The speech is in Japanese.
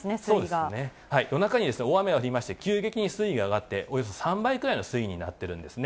夜中に大雨が降りまして、急激に水位が上がって、およそ３倍くらいの水位になってるんですね。